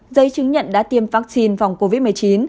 giấy chứng nhận đã tiêm vaccine phòng covid một mươi chín